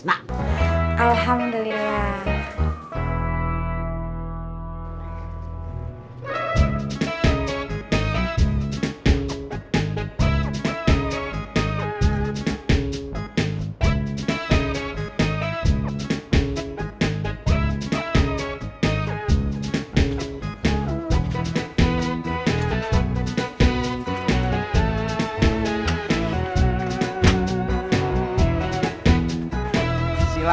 tidak ada yang bisa dikira